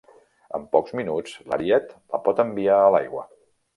En pocs minuts, l'ariet la pot enviar a l'aigua.